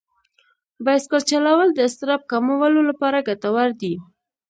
بایسکل چلول د اضطراب کمولو لپاره ګټور دي.